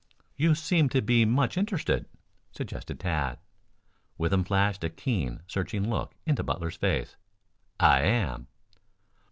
"You seem to be much interested," suggested Tad. Withem flashed a keen, searching look into Butler's face. "I am."